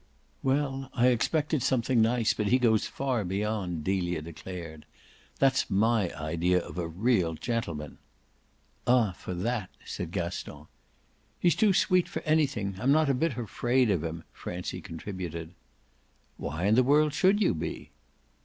"Well, I expected something nice, but he goes far beyond!" Delia declared. "That's my idea of a real gentleman." "Ah for that !" said Gaston. "He's too sweet for anything. I'm not a bit afraid of him," Francie contributed. "Why in the world should you be?"